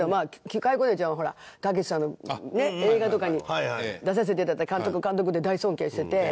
加世子ちゃんはほらたけしさんのね映画とかに出させて頂いた監督監督って大尊敬してて。